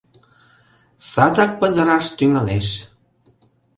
Садак пызыраш тӱҥалеш.